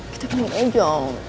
kita pengen aja yuk